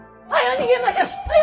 逃げましょ！はよ！